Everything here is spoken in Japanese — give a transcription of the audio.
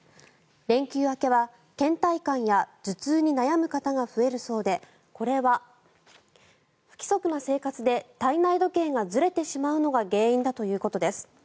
連休明けは、けん怠感や頭痛に悩む方が増えるそうでこれは不規則な生活で体内時計がずれてしまうのが原因だということです。